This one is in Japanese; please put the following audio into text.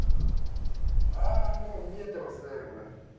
ああもう見えてますねこれ。